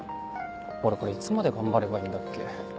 俺これいつまで頑張ればいいんだっけ？」